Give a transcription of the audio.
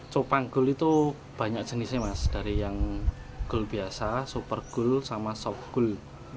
cupang gold itu banyak jenisnya mas dari yang gold biasa super gold sama soft gold